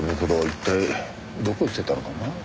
一体どこ捨てたのかなぁ。